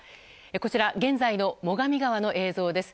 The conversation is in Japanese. こちら現在の最上川の映像です。